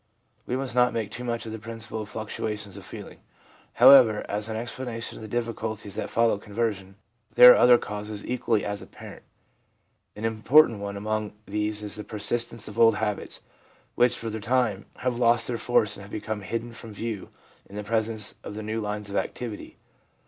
We must not make too much of the principle of fluctuations of feeling, however, as an explanation of the difficulties that follow conversion; there are other causes equally as apparent. An important one among these is the persistence of old habits, which for the time have lost their force and have become hidden from view in the presence of the new lines of activity.